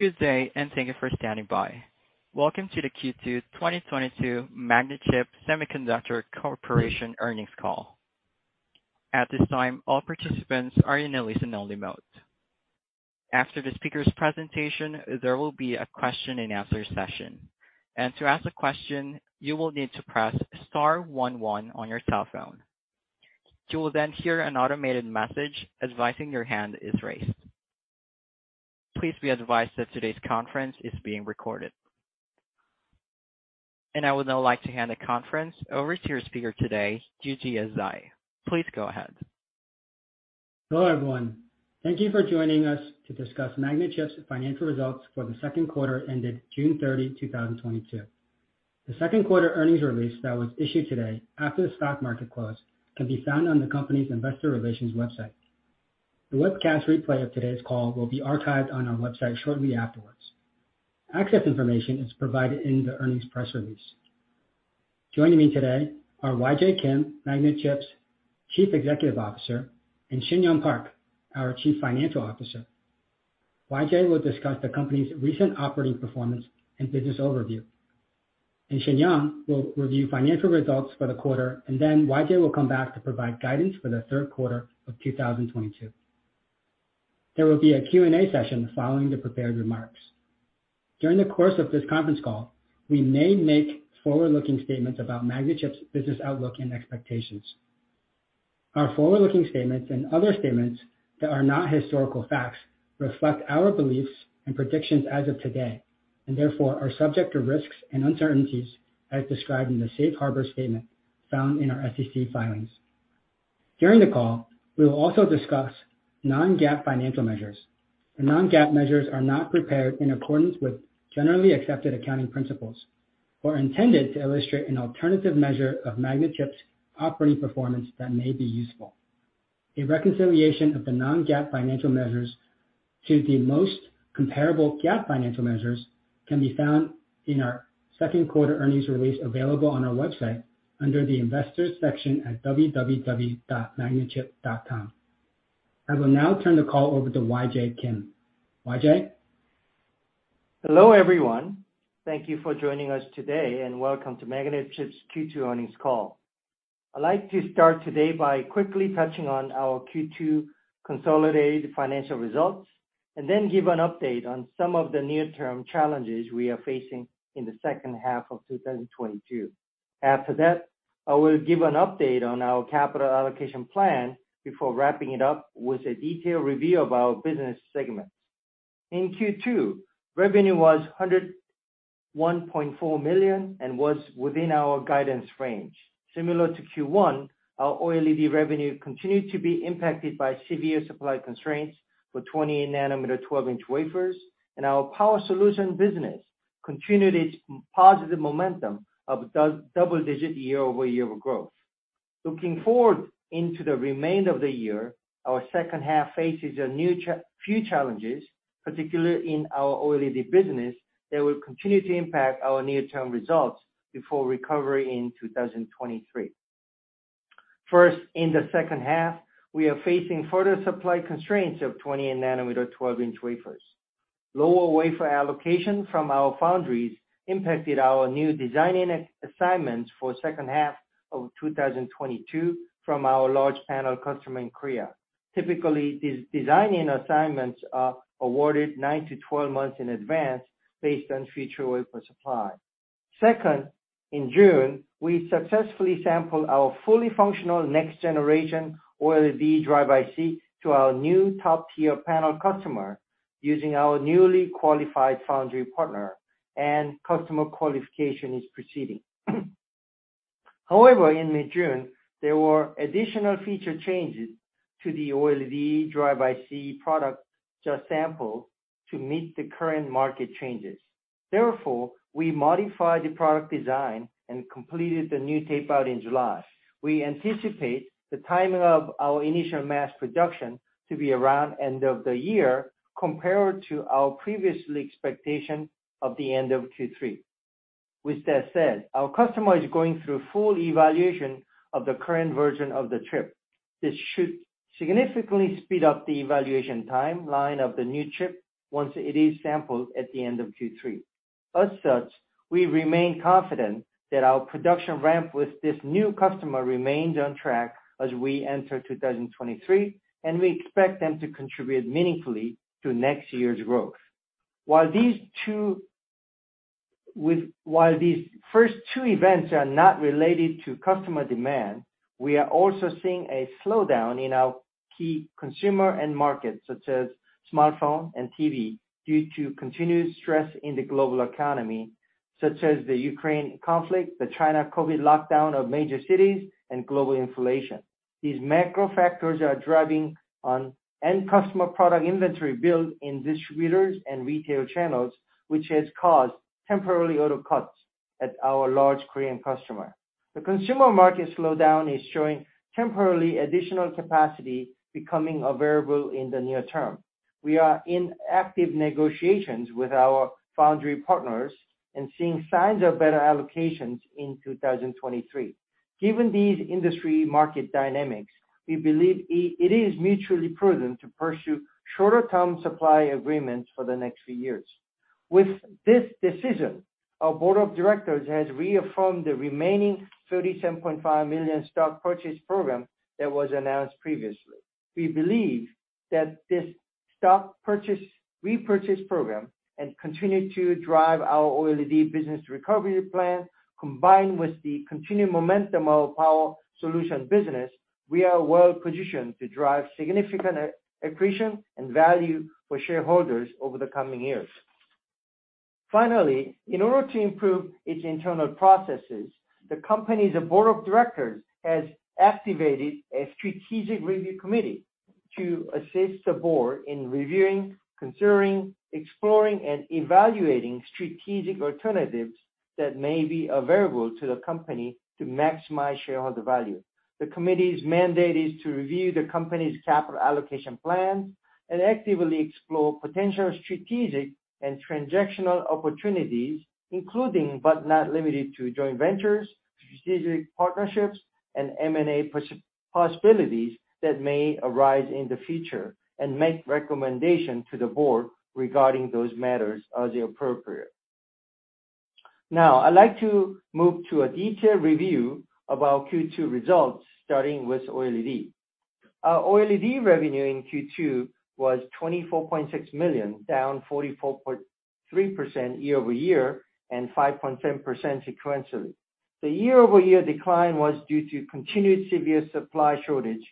Good day, and thank you for standing by. Welcome to the Q2 2022 Magnachip Semiconductor Corporation earnings call. At this time, all participants are in a listen-only mode. After the speaker's presentation, there will be a question and answer session. To ask a question, you will need to press star one one on your cell phone. You will then hear an automated message advising your hand is raised. Please be advised that today's conference is being recorded. I would now like to hand the conference over to your speaker today, Yujia Zhai. Please go ahead. Hello, everyone. Thank you for joining us to discuss Magnachip's financial results for the second quarter ended June 30, 2022. The second quarter earnings release that was issued today after the stock market close can be found on the company's investor relations website. The webcast replay of today's call will be archived on our website shortly afterwards. Access information is provided in the earnings press release. Joining me today are YJ Kim, Magnachip's Chief Executive Officer, and Shinyoung Park, our Chief Financial Officer. YJ will discuss the company's recent operating performance and business overview, and Shinyoung will review financial results for the quarter, and then YJ will come back to provide guidance for the third quarter of 2022. There will be a Q&A session following the prepared remarks. During the course of this conference call, we may make forward-looking statements about Magnachip's business outlook and expectations. Our forward-looking statements and other statements that are not historical facts reflect our beliefs and predictions as of today, and therefore are subject to risks and uncertainties as described in the safe harbor statement found in our SEC filings. During the call, we will also discuss non-GAAP financial measures. The non-GAAP measures are not prepared in accordance with generally accepted accounting principles or intended to illustrate an alternative measure of Magnachip's operating performance that may be useful. A reconciliation of the non-GAAP financial measures to the most comparable GAAP financial measures can be found in our second quarter earnings release available on our website under the Investors section at www.magnachip.com. I will now turn the call over to YJ Kim. YJ? Hello, everyone. Thank you for joining us today, and welcome to Magnachip's Q2 earnings call. I'd like to start today by quickly touching on our Q2 consolidated financial results, and then give an update on some of the near-term challenges we are facing in the second half of 2022. After that, I will give an update on our capital allocation plan before wrapping it up with a detailed review of our business segments. In Q2, revenue was $101.4 million and was within our guidance range. Similar to Q1, our OLED revenue continued to be impacted by severe supply constraints for 20-nanometer 12-inch wafers, and our power solution business continued its positive momentum of double-digit year-over-year growth. Looking forward into the remainder of the year, our second half faces a few challenges, particularly in our OLED business, that will continue to impact our near-term results before recovery in 2023. First, in the second half, we are facing further supply constraints of 20-nanometer 12-inch wafers. Lower wafer allocation from our foundries impacted our new design assignments for second half of 2022 from our large panel customer in Korea. Typically, these design assignments are awarded nine to 12 months in advance based on future wafer supply. Second, in June, we successfully sampled our fully functional next generation OLED driver IC to our new top-tier panel customer using our newly qualified foundry partner, and customer qualification is proceeding. However, in mid-June, there were additional feature changes to the OLED driver IC product just sampled to meet the current market changes. Therefore, we modified the product design and completed the new tape-out in July. We anticipate the timing of our initial mass production to be around end of the year compared to our previous expectation of the end of Q3. With that said, our customer is going through full evaluation of the current version of the chip. This should significantly speed up the evaluation timeline of the new chip once it is sampled at the end of Q3. As such, we remain confident that our production ramp with this new customer remains on track as we enter 2023, and we expect them to contribute meaningfully to next year's growth. While these first two events are not related to customer demand, we are also seeing a slowdown in our key consumer end markets, such as smartphone and TV, due to continued stress in the global economy, such as the Ukraine conflict, the China COVID lockdown of major cities, and global inflation. These macro factors are driving end customer product inventory build in distributors and retail channels, which has caused temporary order cuts at our large Korean customer. The consumer market slowdown is showing temporarily additional capacity becoming available in the near term. We are in active negotiations with our foundry partners and seeing signs of better allocations in 2023. Given these industry market dynamics, we believe it is mutually prudent to pursue shorter-term supply agreements for the next few years. With this decision, our board of directors has reaffirmed the remaining $37.5 million stock purchase program that was announced previously. We believe that this stock purchase repurchase program and continue to drive our OLED business recovery plan, combined with the continued momentum of our power solution business, we are well-positioned to drive significant accretion and value for shareholders over the coming years. Finally, in order to improve its internal processes, the company's board of directors has activated a strategic review committee to assist the board in reviewing, considering, exploring, and evaluating strategic alternatives that may be available to the company to maximize shareholder value. The committee's mandate is to review the company's capital allocation plan and actively explore potential strategic and transactional opportunities, including, but not limited to joint ventures, strategic partnerships, and M&A possibilities that may arise in the future, and make recommendation to the board regarding those matters as appropriate. Now, I'd like to move to a detailed review of our Q2 results, starting with OLED. Our OLED revenue in Q2 was $24.6 million, down 44.3% year-over-year and 5.7% sequentially. The year-over-year decline was due to continued severe supply shortage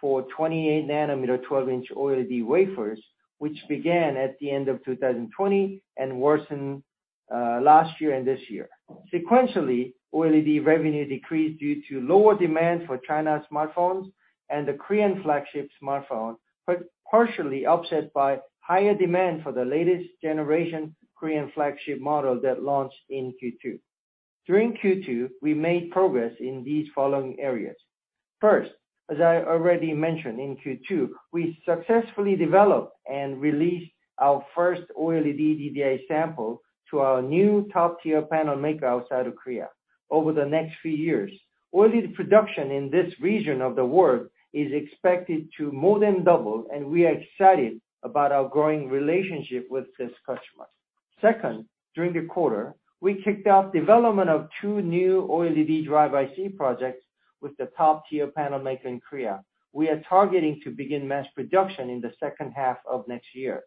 for 28-nanometer 12-inch OLED wafers, which began at the end of 2020 and worsened last year and this year. Sequentially, OLED revenue decreased due to lower demand for China's smartphones and the Korean flagship smartphone, but partially offset by higher demand for the latest generation Korean flagship model that launched in Q2. During Q2, we made progress in these following areas. First, as I already mentioned, in Q2, we successfully developed and released our first OLED DDI sample to our new top-tier panel maker outside of Korea. Over the next few years, OLED production in this region of the world is expected to more than double, and we are excited about our growing relationship with this customer. Second, during the quarter, we kicked off development of two new OLED driver IC projects with the top-tier panel maker in Korea. We are targeting to begin mass production in the second half of next year.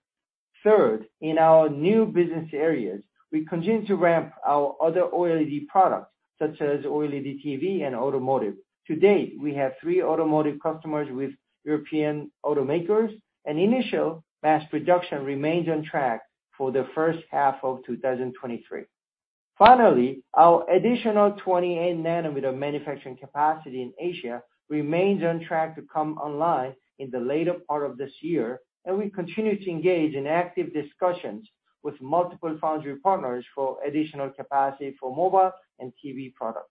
Third, in our new business areas, we continue to ramp our other OLED products, such as OLED TV and automotive. To date, we have three automotive customers with European automakers, and initial mass production remains on track for the first half of 2023. Finally, our additional 28-nm manufacturing capacity in Asia remains on track to come online in the later part of this year, and we continue to engage in active discussions with multiple foundry partners for additional capacity for mobile and TV products.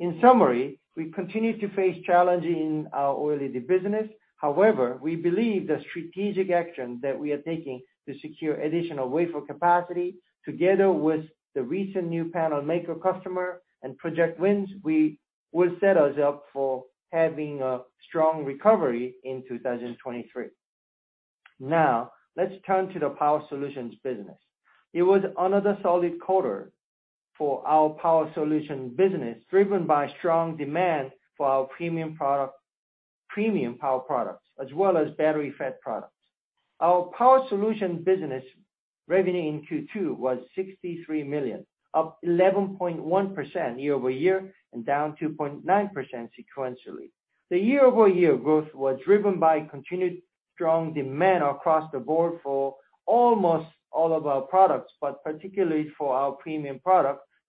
In summary, we continue to face challenges in our OLED business. However, we believe the strategic actions that we are taking to secure additional wafer capacity, together with the recent new panel maker customer and project wins, we will set us up for having a strong recovery in 2023. Now, let's turn to the power solutions business. It was another solid quarter for our power solution business, driven by strong demand for our premium power products as well as Battery FET products. Our power solution business revenue in Q2 was $63 million, up 11.1% year-over-year and down 2.9% sequentially. The year-over-year growth was driven by continued strong demand across the board for almost all of our products, but particularly for our premium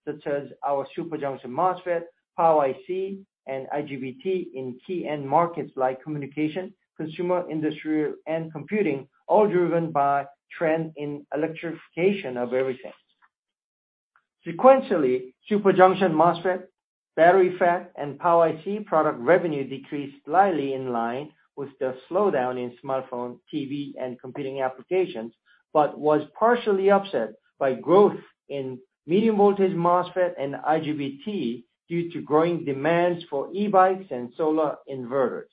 products, such as our Super Junction MOSFET, Power IC, and IGBT in key end markets like communication, consumer, industrial and computing, all driven by trend in electrification of everything. Sequentially, Super Junction MOSFET, BatteryFET, and Power IC product revenue decreased slightly in line with the slowdown in smartphone, TV, and computing applications, but was partially offset by growth in medium voltage MOSFET and IGBT due to growing demands for e-bikes and solar inverters.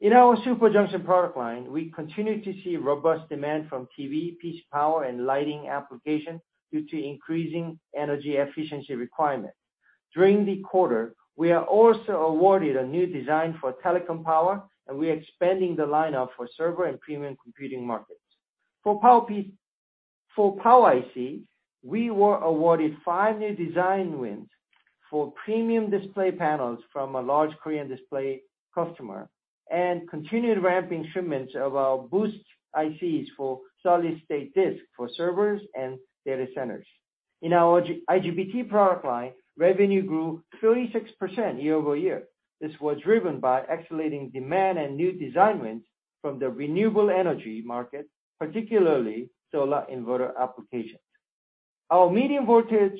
In our Super Junction product line, we continue to see robust demand from TV, PC power, and lighting application due to increasing energy efficiency requirement. During the quarter, we are also awarded a new design for telecom power, and we're expanding the lineup for server and premium computing markets. For Power IC, we were awarded five new design wins for premium display panels from a large Korean display customer and continued ramping shipments of our boost ICs for solid-state disk for servers and data centers. In our IGBT product line, revenue grew 36% year-over-year. This was driven by accelerating demand and new design wins from the renewable energy market, particularly solar inverter applications. Our medium voltage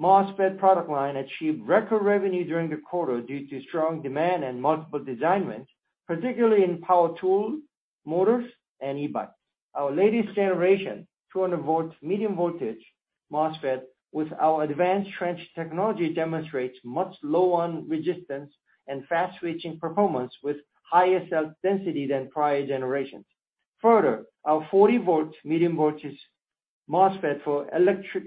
MOSFET product line achieved record revenue during the quarter due to strong demand and multiple design wins, particularly in power tool motors and e-bikes. Our latest generation, 200-volt medium voltage MOSFET with our advanced trench technology demonstrates much lower resistance and fast switching performance with higher cell density than prior generations. Further, our 40-volt medium voltage MOSFET for electric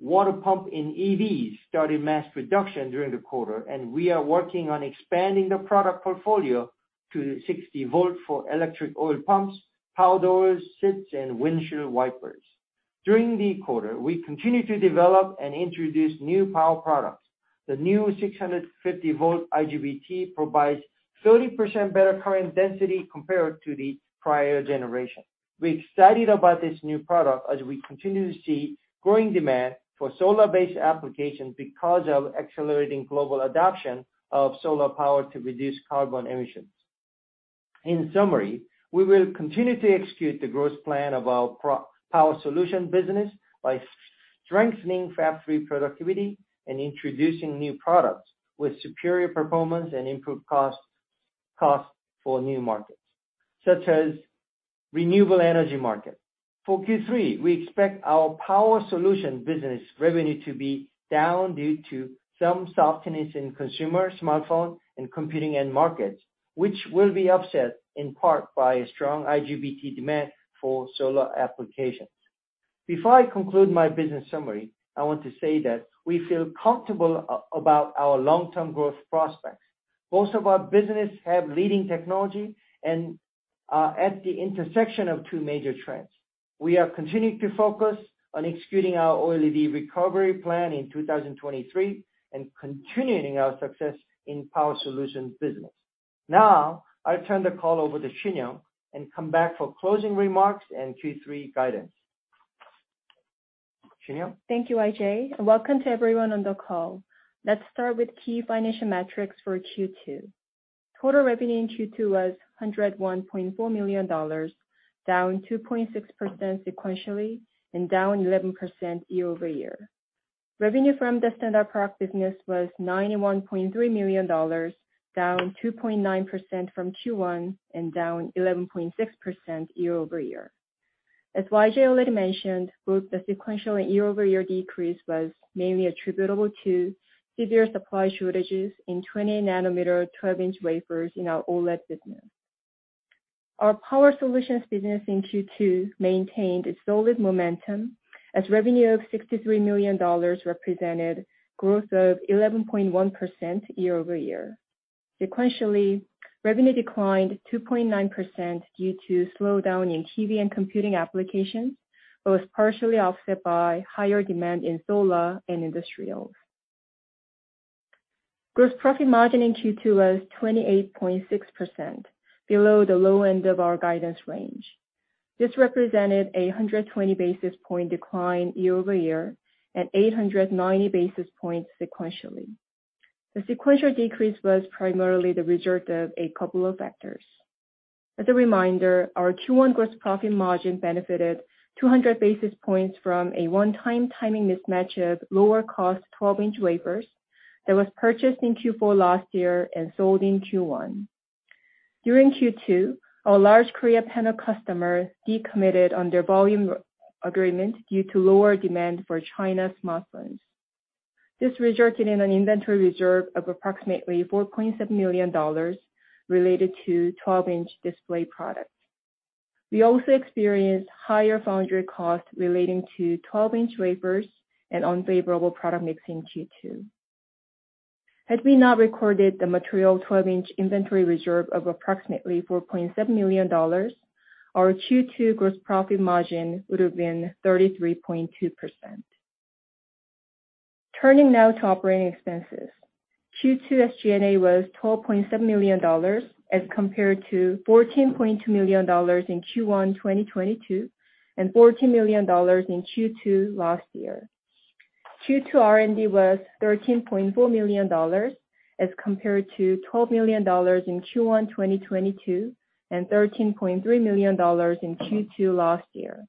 water pump in EVs started mass production during the quarter, and we are working on expanding the product portfolio to 60-volt for electric oil pumps, power doors, seats, and windshield wipers. During the quarter, we continued to develop and introduce new power products. The new 650-volt IGBT provides 30% better current density compared to the prior generation. We're excited about this new product as we continue to see growing demand for solar-based applications because of accelerating global adoption of solar power to reduce carbon emissions. In summary, we will continue to execute the growth plan of our power solution business by strengthening fab-lite productivity and introducing new products with superior performance and improved costs for new markets, such as renewable energy market. For Q3, we expect our power solution business revenue to be down due to some softness in consumer smartphone and computing end markets, which will be offset in part by a strong IGBT demand for solar applications. Before I conclude my business summary, I want to say that we feel comfortable about our long-term growth prospects. Most of our business have leading technology and are at the intersection of two major trends. We are continuing to focus on executing our OLED recovery plan in 2023 and continuing our success in power solutions business. Now, I turn the call over to Shinyoung and come back for closing remarks and Q3 guidance. Shinyoung? Thank you, YJ, and welcome to everyone on the call. Let's start with key financial metrics for Q2. Total revenue in Q2 was $101.4 million, down 2.6% sequentially and down 11% year-over-year. Revenue from the standard product business was $91.3 million, down 2.9% from Q1 and down 11.6% year-over-year. As YJ already mentioned, both the sequential and year-over-year decrease was mainly attributable to severe supply shortages in 20-nanometer 12-inch wafers in our OLED business. Our power solutions business in Q2 maintained its solid momentum as revenue of $63 million represented growth of 11.1% year-over-year. Sequentially, revenue declined 2.9% due to slowdown in TV and computing applications, but was partially offset by higher demand in solar and industrials. Gross profit margin in Q2 was 28.6%, below the low end of our guidance range. This represented a 120 basis point decline year-over-year and 890 basis points sequentially. The sequential decrease was primarily the result of a couple of factors. As a reminder, our Q1 gross profit margin benefited 200 basis points from a one-time timing mismatch of lower cost 12-inch wafers that was purchased in Q4 last year and sold in Q1. During Q2, our large Korean panel customer decommitted on their volume agreement due to lower demand for China smartphones. This resulted in an inventory reserve of approximately $4.7 million related to 12-inch display products. We also experienced higher foundry costs relating to 12-inch wafers and unfavorable product mix in Q2. Had we not recorded the material twelve-inch inventory reserve of approximately $4.7 million, our Q2 gross profit margin would have been 33.2%. Turning now to operating expenses. Q2 SG&A was $12.7 million as compared to $14.2 million in Q1 2022, and $14 million in Q2 last year. Q2 R&D was $13.4 million as compared to $12 million in Q1 2022, and $13.3 million in Q2 last year.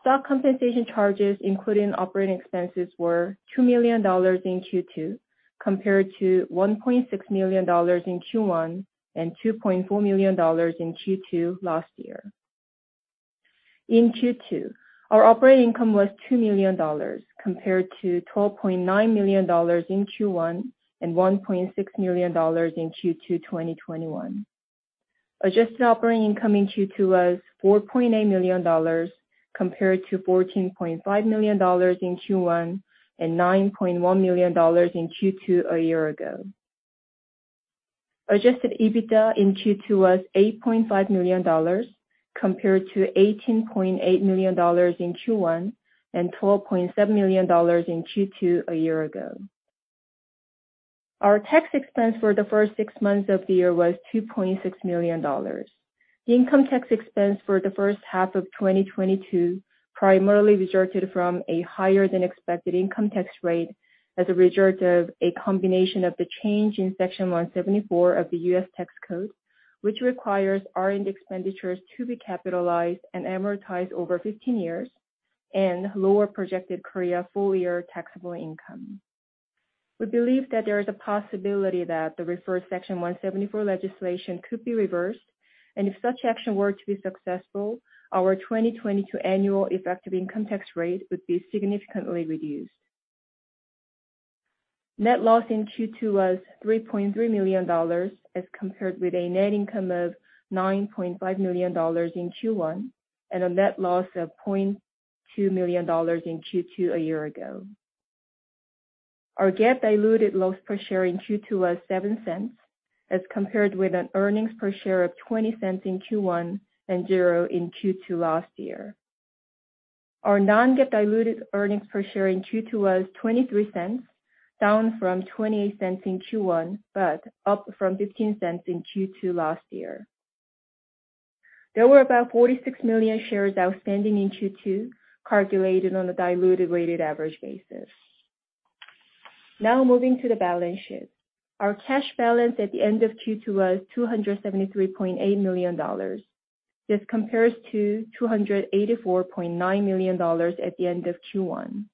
Stock compensation charges including operating expenses were $2 million in Q2, compared to $1.6 million in Q1, and $2.4 million in Q2 last year. In Q2, our operating income was $2 million compared to $12.9 million in Q1, and $1.6 million in Q2 2021. Adjusted operating income in Q2 was $4.8 million compared to $14.5 million in Q1, and $9.1 million in Q2 a year ago. Adjusted EBITDA in Q2 was $8.5 million compared to $18.8 million in Q1, and $12.7 million in Q2 a year ago. Our tax expense for the first six months of the year was $2.6 million. The income tax expense for the first half of 2022 primarily resulted from a higher than expected income tax rate as a result of a combination of the change in Section 174 of the US Tax Code, which requires R&D expenditures to be capitalized and amortized over 15 years, and lower projected current-year full-year taxable income. We believe that there is a possibility that the referred Section 174 legislation could be reversed, and if such action were to be successful, our 2022 annual effective income tax rate would be significantly reduced. Net loss in Q2 was $3.3 million as compared with a net income of $9.5 million in Q1, and a net loss of $0.2 million in Q2 a year ago. Our GAAP diluted loss per share in Q2 was $0.07, as compared with an earnings per share of $0.20 in Q1 and $0.00 in Q2 last year. Our non-GAAP diluted earnings per share in Q2 was $0.23, down from $0.28 in Q1, but up from $0.15 in Q2 last year. There were about 46 million shares outstanding in Q2, calculated on a diluted weighted average basis. Now moving to the balance sheet. Our cash balance at the end of Q2 was $273.8 million. This compares to $284.9 million at the end of Q1.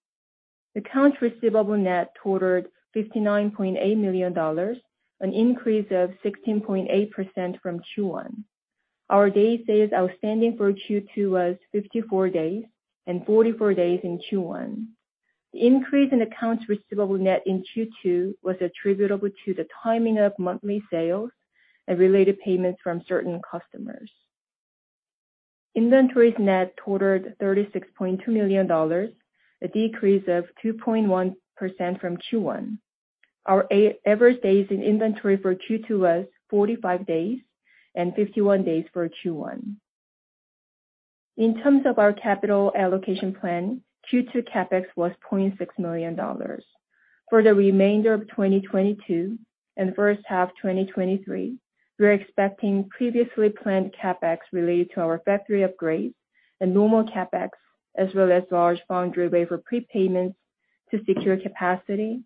Accounts receivable net totaled $59.8 million, an increase of 16.8% from Q1. Our day sales outstanding for Q2 was 54 days and 44 days in Q1. The increase in accounts receivable net in Q2 was attributable to the timing of monthly sales and related payments from certain customers. Inventories net totaled $36.2 million, a decrease of 2.1% from Q1. Our average days in inventory for Q2 was 45 days and 51 days for Q1. In terms of our capital allocation plan, Q2 CapEx was $0.6 million. For the remainder of 2022 and first half 2023, we're expecting previously planned CapEx related to our factory upgrades and normal CapEx, as well as large foundry wafer prepayments to secure capacity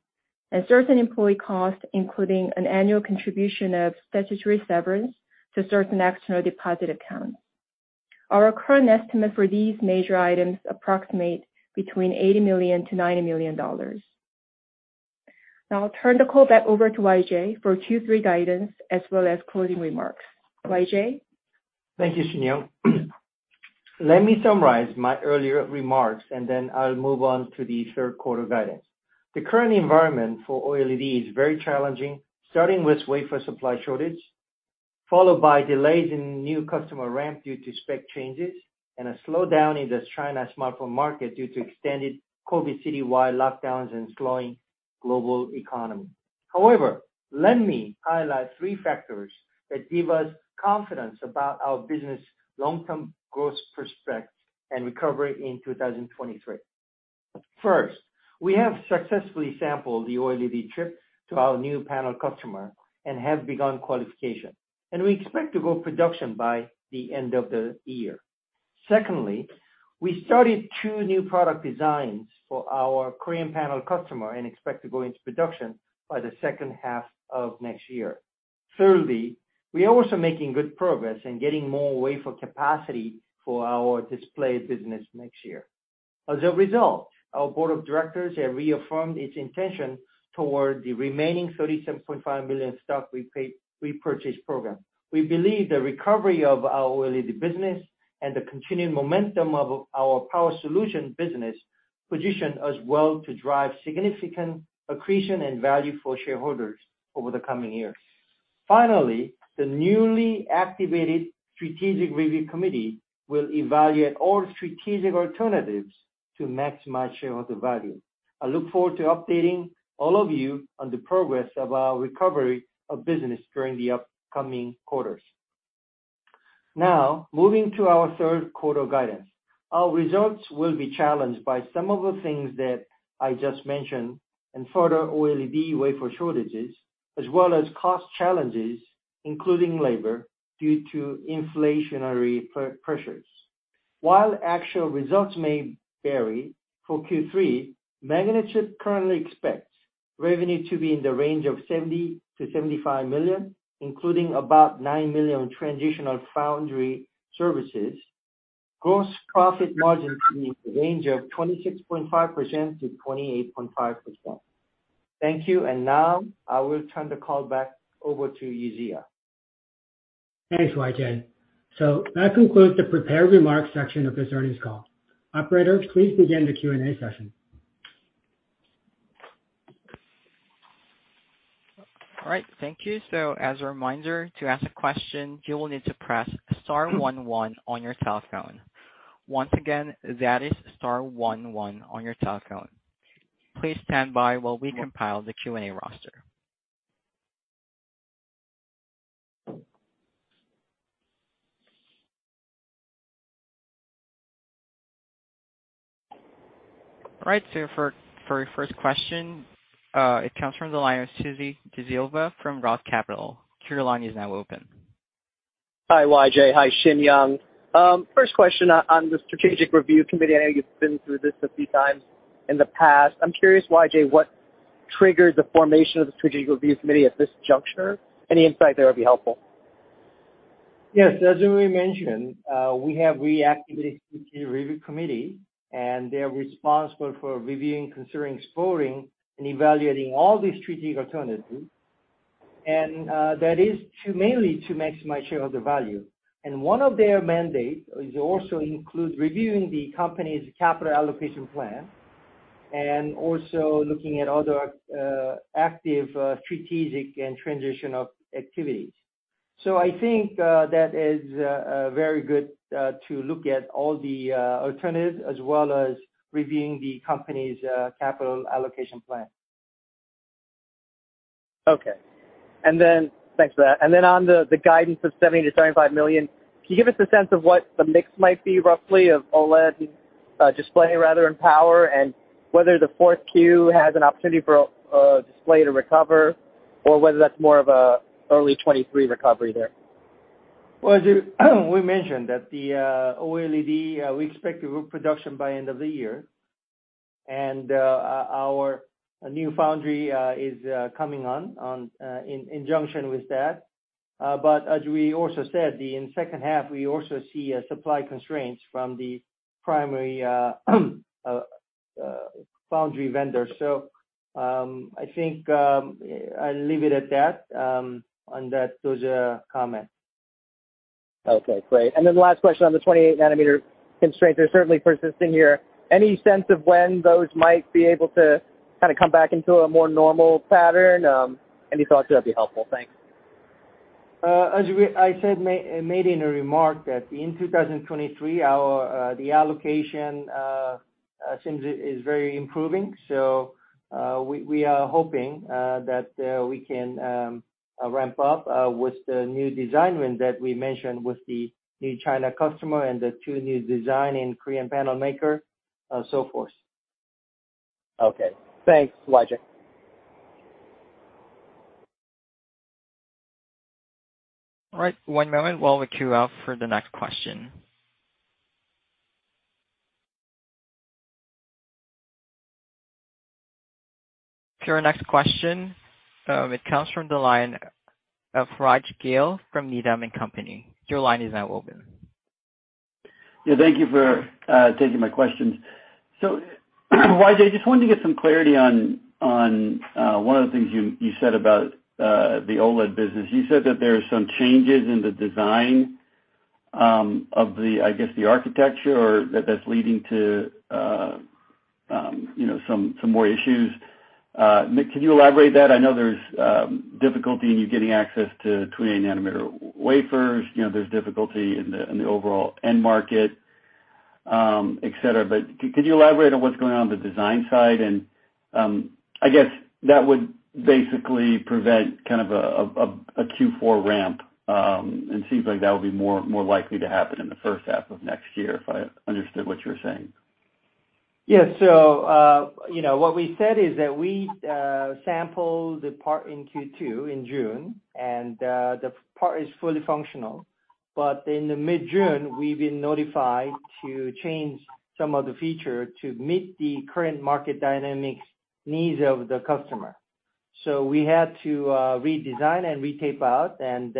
and certain employee costs, including an annual contribution of statutory severance to certain external deposit accounts. Our current estimate for these major items approximate between $80 million-$90 million. Now I'll turn the call back over to YJ for Q3 guidance as well as closing remarks. YJ? Thank you, Shinyoung. Let me summarize my earlier remarks and then I'll move on to the third quarter guidance. The current environment for OLED is very challenging, starting with wafer supply shortage, followed by delays in new customer ramp due to spec changes and a slowdown in the China smartphone market due to extended COVID citywide lockdowns and slowing global economy. However, let me highlight three factors that give us confidence about our business long-term growth prospects and recovery in 2023. First, we have successfully sampled the OLED chip to our new panel customer and have begun qualification, and we expect to go production by the end of the year. Secondly, we started two new product designs for our Korean panel customer and expect to go into production by the second half of next year. Thirdly, we are also making good progress in getting more wafer capacity for our display business next year. As a result, our board of directors have reaffirmed its intention toward the remaining $37.5 million stock repurchase program. We believe the recovery of our OLED business and the continued momentum of our power solution business position us well to drive significant accretion and value for shareholders over the coming years. Finally, the newly activated strategic review committee will evaluate all strategic alternatives to maximize shareholder value. I look forward to updating all of you on the progress of our recovery of business during the upcoming quarters. Now, moving to our third quarter guidance. Our results will be challenged by some of the things that I just mentioned and further OLED wafer shortages, as well as cost challenges, including labor, due to inflationary pressures. While actual results may vary, for Q3, Magnachip currently expects revenue to be in the range of $70 million-$75 million, including about $9 million transitional foundry services. Gross profit margin to be in the range of 26.5%-28.5%. Thank you. Now I will turn the call back over to Yujia Zhai. Thanks, YJ. That concludes the prepared remarks section of this earnings call. Operator, please begin the Q&A session. All right. Thank you. As a reminder, to ask a question, you will need to press star one one on your telephone. Once again, that is star one one on your telephone. Please stand by while we compile the Q&A roster. All right, for your first question, it comes from the line of Suji Desilva from ROTH Capital Partners. Your line is now open. Hi, YJ. Hi, Shinyoung. First question on the strategic review committee. I know you've been through this a few times in the past. I'm curious, YJ, what triggered the formation of the strategic review committee at this juncture? Any insight there would be helpful. Yes, as we mentioned, we have reactivated strategic review committee, and they are responsible for reviewing, considering exploring and evaluating all these strategic alternatives. That is to mainly to maximize shareholder value. One of their mandate is also includes reviewing the company's capital allocation plan and also looking at other, active, strategic and transitional activities. I think that is very good to look at all the alternatives as well as reviewing the company's capital allocation plan. Thanks for that. On the guidance of $70 million-$75 million, can you give us a sense of what the mix might be roughly of OLED display rather than power and whether the fourth Q has an opportunity for display to recover or whether that's more of an early 2023 recovery there? Well, as we mentioned that the OLED, we expect to go to production by end of the year. Our new foundry is coming on in conjunction with that. As we also said, in second half, we also see supply constraints from the primary foundry vendors. I think I'll leave it at that on those comments. Okay, great. Last question on the 28-nanometer constraints are certainly persisting here. Any sense of when those might be able to kind of come back into a more normal pattern? Any thoughts, that'd be helpful. Thanks. I said, made a remark that in 2023, our allocation is very improving. We are hoping that we can ramp up with the new design wins that we mentioned with the new China customer and the two new designs in Korean panel maker, and so forth. Okay. Thanks, YJ. All right. One moment while we queue up for the next question. For our next question, it comes from the line of Rajvindra Gill from Needham & Company. Your line is now open. Yeah, thank you for taking my questions. YJ, just wanted to get some clarity on one of the things you said about the OLED business. You said that there are some changes in the design of the, I guess, the architecture or that that's leading to you know, some more issues. Can you elaborate that? I know there's difficulty in you getting access to 20 nanometer wafers. You know, there's difficulty in the overall end market, et cetera. But could you elaborate on what's going on the design side? I guess that would basically prevent kind of a Q4 ramp, and seems like that would be more likely to happen in the first half of next year, if I understood what you're saying. Yeah. You know, what we said is that we sample the part in Q2 in June, and the part is fully functional. In mid-June, we've been notified to change some of the feature to meet the current market dynamics needs of the customer. We had to redesign and re-tape-out, and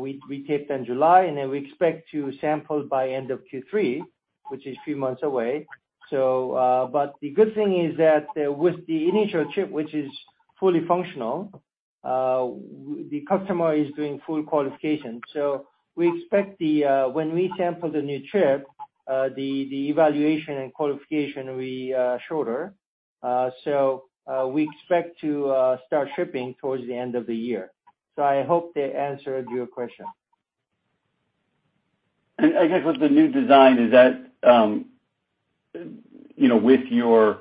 we re-taped-out in July, and then we expect to sample by end of Q3, which is few months away. But the good thing is that with the initial chip, which is fully functional, the customer is doing full qualification. We expect the, when we sample the new chip, the evaluation and qualification will be shorter. We expect to start shipping towards the end of the year. I hope that answered your question. I guess with the new design, is that, you know, with your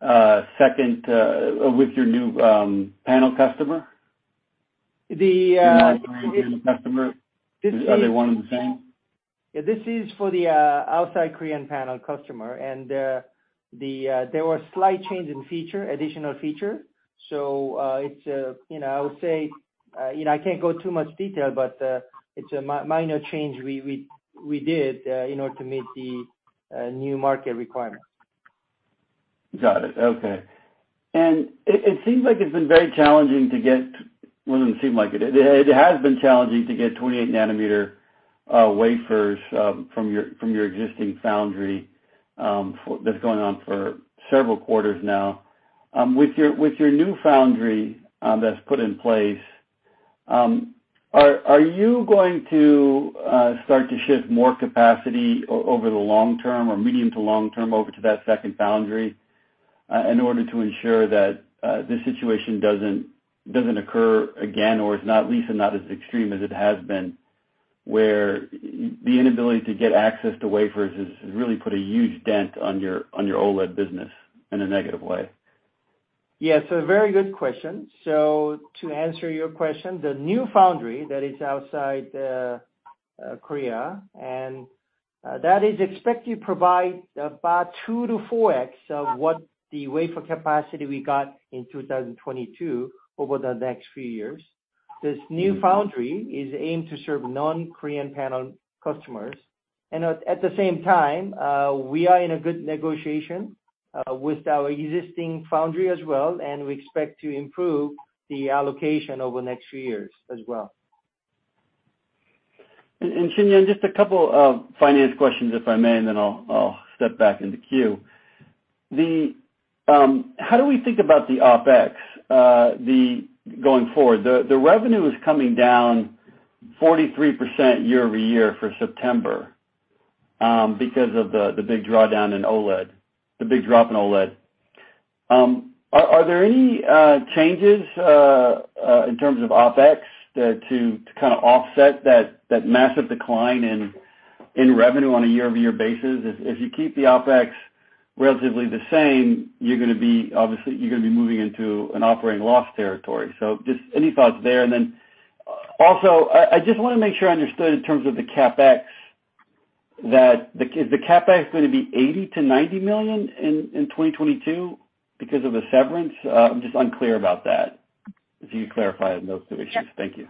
new panel customer? The, uh- The non-Korean customer. Are they one and the same? Yeah, this is for the outside Korean panel customer. There were slight change in feature, additional feature. It's, you know, I would say, you know, I can't go too much detail, but it's a minor change we did in order to meet the new market requirements. Got it. Okay. It seems like it's been very challenging to get. Well, it doesn't seem like it. It has been challenging to get 28-nanometer wafers from your existing foundry for several quarters now. With your new foundry that's put in place, are you going to start to shift more capacity over the long term or medium to long term over to that second foundry in order to ensure that this situation doesn't occur again or is not, at least not as extreme as it has been, where the inability to get access to wafers has really put a huge dent on your OLED business in a negative way? Yes, a very good question. To answer your question, the new foundry that is outside Korea, that is expected to provide about 2-4x of what the wafer capacity we got in 2022 over the next few years. This new foundry is aimed to serve non-Korean panel customers. At the same time, we are in a good negotiation with our existing foundry as well, and we expect to improve the allocation over the next few years as well. Shinyoung, just a couple of finance questions, if I may, and then I'll step back in the queue. How do we think about the OpEx going forward? Revenue is coming down 43% year-over-year for September because of the big drawdown in OLED, the big drop in OLED. Are there any changes in terms of OpEx there to kinda offset that massive decline in revenue on a year-over-year basis? If you keep the OpEx relatively the same, you're gonna be, obviously, moving into an operating loss territory. Just any thoughts there? I just wanna make sure I understood in terms of the CapEx. Is the CapEx gonna be $80 million-$90 million in 2022 because of the severance? I'm just unclear about that, if you could clarify on those two issues. Thank you.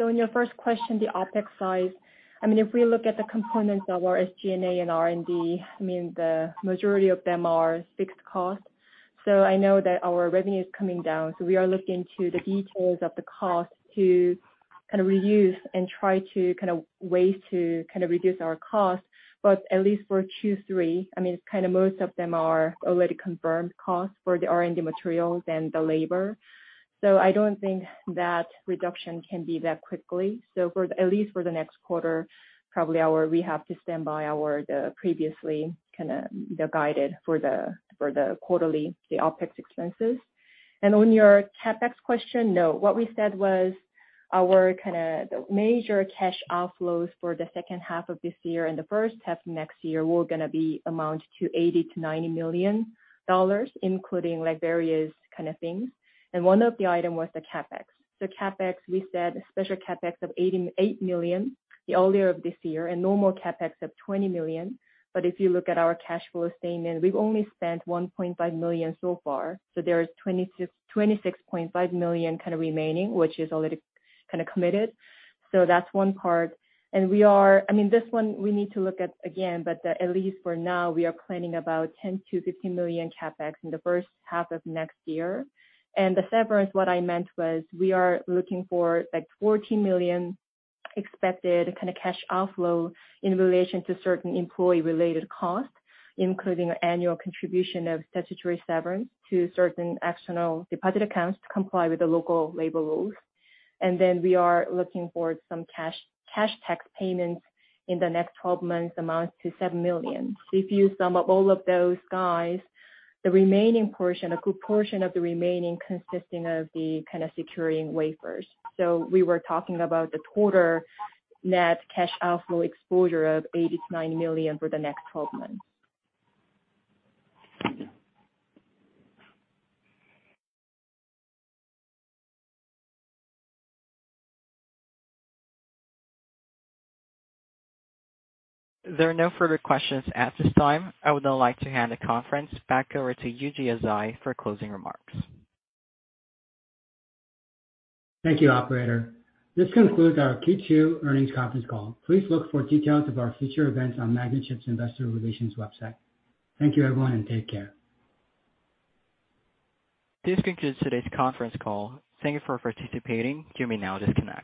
In your first question, the OpEx side, I mean, if we look at the components of our SG&A and R&D, I mean, the majority of them are fixed costs. I know that our revenue is coming down, so we are looking into the details of the costs to kind of review and try to find ways to kind of reduce our costs. At least for Q3, I mean, most of them are already confirmed costs for the R&D materials and the labor. I don't think that reduction can be that quickly. At least for the next quarter, probably we have to stand by our previous guidance for the quarterly OpEx expenses. On your CapEx question, no. What we said was our kinda the major cash outflows for the second half of this year and the first half of next year were gonna amount to $80-$90 million, including like various kinda things, and one of the item was the CapEx. CapEx, we said special CapEx of $88 million earlier this year and normal CapEx of $20 million. But if you look at our cash flow statement, we've only spent $1.5 million so far, so there is $26.5 million kinda remaining, which is already kinda committed. That's one part. I mean, this one we need to look at again, but at least for now, we are planning about $10-$15 million CapEx in the first half of next year. The severance, what I meant was, we are looking for like $14 million expected kinda cash outflow in relation to certain employee-related costs, including annual contribution of statutory severance to certain external deposit accounts to comply with the local labor laws. Then we are looking for some cash tax payments in the next twelve months amount to $7 million. If you sum up all of those guys, the remaining portion, a good portion of the remaining consisting of the kinda securing wafers. We were talking about the quarter net cash outflow exposure of $8 million-$9 million for the next twelve months. There are no further questions at this time. I would now like to hand the conference back over to Yujia Zhai for closing remarks. Thank you, operator. This concludes our Q2 earnings conference call. Please look for details of our future events on Magnachip's Investor Relations website. Thank you, everyone, and take care. This concludes today's conference call. Thank you for participating. You may now disconnect.